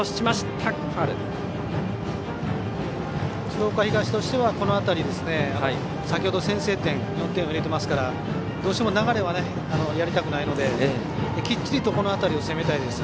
鶴岡東としてはこの辺り先ほど先制点４点入れているのでどうしても流れはやりたくないのできっちりとこの辺りを攻めたいです。